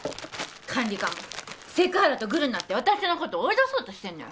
管理官もセク原とグルになって私のこと追い出そうとしてんのよ